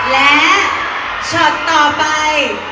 และช็อตต่อไป